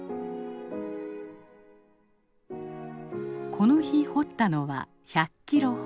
この日掘ったのは１００キロほど。